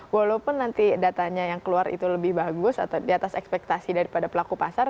walaupun nanti datanya yang keluar itu lebih bagus atau di atas ekspektasi daripada pelaku pasar